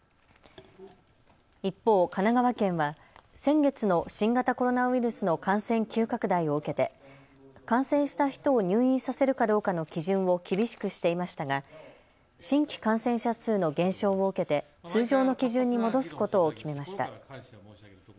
一方、神奈川県は先月の新型コロナウイルスの感染急拡大を受けて感染した人を入院させるかどうかの基準を厳しくしていましたが新規感染者数の減少を受けて通常の基準に戻すことを決めました。